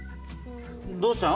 どうしたの？